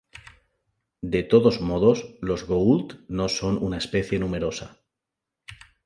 De todos modos los Goa'uld no son una especie numerosa.